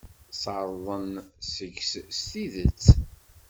Sserḍen seg-k s tidet.